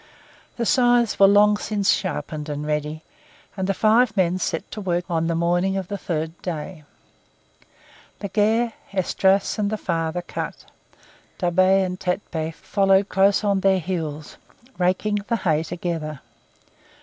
The scythes were long since sharpened and ready, and the five men set to work on the morning of the third day. Legare, Esdras and the father cut; Da'Be and Tit'Bé followed close on their heels, raking the hay together.